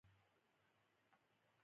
د کوچیانو مالونه کم شوي؟